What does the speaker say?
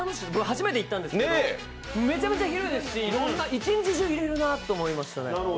初めて行ったんですけど、めちゃめちゃ広いですし一日中いれるなと思いました。